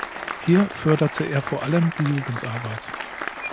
Hier förderte er vor allem die Jugendarbeit.